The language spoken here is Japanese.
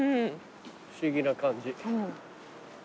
不思議な感じ。